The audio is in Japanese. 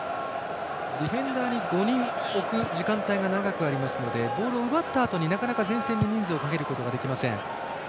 ディフェンダーを５人置く時間帯が長くあるのでボールを奪ったあとになかなか前線の人数をかけることができません。